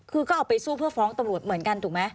คือก็เอาไปสู้เพื่อฟ้องตำรวจเหมือนกันถูกไหม